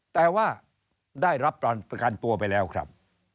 แต่ว่าได้รับประกันตัวไปแล้วครับ